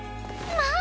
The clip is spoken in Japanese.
まあ！